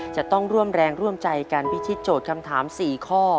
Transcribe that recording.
จะต้องร่วมแรงร่วมใจกันพิชิตโจทย์คำถาม๔ข้อ